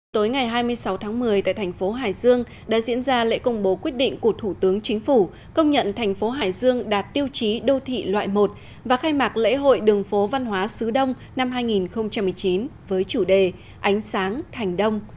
tối ngày hai mươi sáu tháng một mươi tại thành phố hải dương đã diễn ra lễ công bố quyết định của thủ tướng chính phủ công nhận thành phố hải dương đạt tiêu chí đô thị loại một và khai mạc lễ hội đường phố văn hóa sứ đông năm hai nghìn một mươi chín với chủ đề ánh sáng thành đông